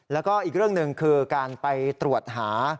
แล้วก็อีกเรื่องหนึ่งคือการไปตรวจหา